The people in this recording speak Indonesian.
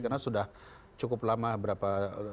karena sudah cukup lama berapa